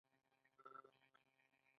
څنګه کولی شم په کور کې سبزیان کرم